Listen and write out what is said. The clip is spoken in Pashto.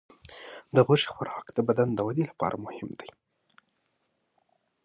د غوښې خوراک د بدن د وده لپاره مهم دی.